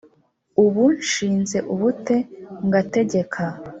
ubu nshize ubute ngategeka